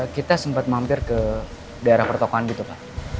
kita sempet mampir ke daerah pertokoan gitu pak